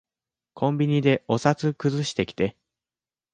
コンビニでお札くずしてきて。